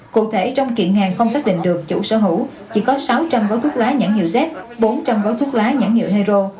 cụ thể trong kiện hàng không xác định được chủ sở hữu chỉ có sáu trăm linh gói thuốc lá nhãn hiệu z bốn trăm linh gói thuốc lá nhãn hiệu hero